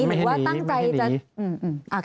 เหมือนว่าตั้งใจจะ